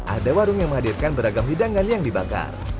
ada warung yang menghadirkan beragam hidangan yang dibakar